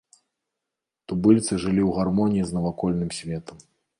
Тубыльцы жылі ў гармоніі з навакольным светам.